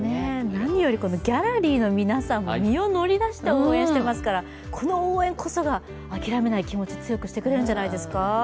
何より、ギャラリーの皆さんも身を乗り出して応援してますからこの応援こそが諦めない気持ち強くしてくれるんじゃないですか。